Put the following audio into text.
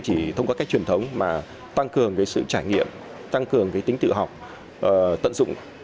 chỉ thông qua cách truyền thống mà tăng cường sự trải nghiệm tăng cường tính tự học tận dụng